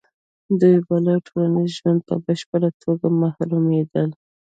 دوی به له ټولنیز ژونده په بشپړه توګه محرومېدل.